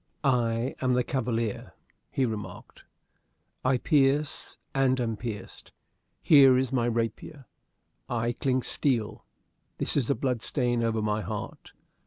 "I am the cavalier," he remarked. "I pierce and am pierced. Here is my rapier. I clink steel. This is a bloodstain over my heart.